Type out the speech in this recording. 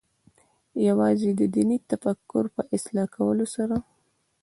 یوازې د دیني تفکر په اصلاح کولو سره.